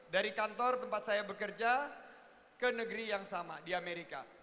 dari kantor tempat saya bekerja ke negeri yang sama di amerika